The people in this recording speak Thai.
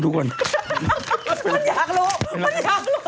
มันอยากลง